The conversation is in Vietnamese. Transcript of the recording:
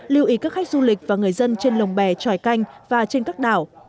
lưu ý các khách du lịch và người dân trên lồng bè tròi canh và trên các đảo